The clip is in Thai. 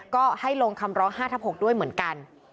ก็ให้ลงคำร้อง๕ทับ๖ด้วยเหมือนกัน